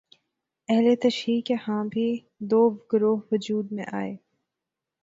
اہل تشیع کے ہاں بھی دو گروہ وجود میں آئے